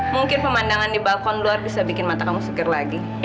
mungkin pemandangan di balkon luar bisa bikin mata kamu segar lagi